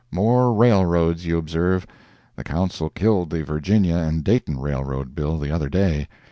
[More railroads, you observe. The Council killed the Virginia and Dayton Railroad bill the other day.